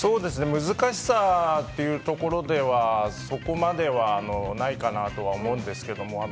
難しさというところではそこまではないかなとは思うんですけども。